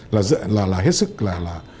là hết sức là